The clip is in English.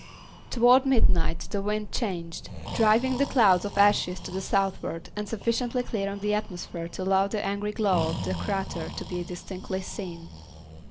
Toward midnight the wind changed, driving the cloud of ashes to the southward and sufficiently clearing the atmosphere to allow the angry glow of the crater to be distinctly seen.